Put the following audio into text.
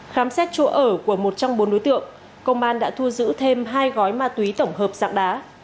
khám xét chỗ ở của một trong bốn đối tượng công an đã thu giữ thêm hai gói ma túy tổng hợp dạng đá